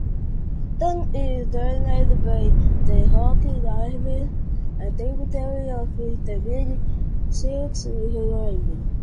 Doon is drained by the Rock River, a tributary of the Big Sioux River.